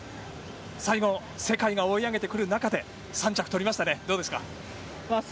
最後世界が追い上げてくる中で３着取りましたね。